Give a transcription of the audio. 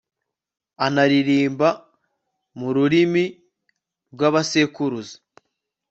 anaririmba mu rurimi rw'abasekuruza